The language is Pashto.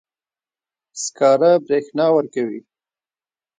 سکاره برېښنا ورکوي.